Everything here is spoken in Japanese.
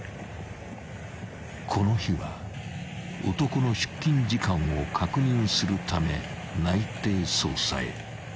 ［この日は男の出勤時間を確認するため内偵捜査へ］